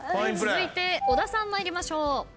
続いて小田さん参りましょう。